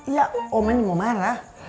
iya oma ini mau marah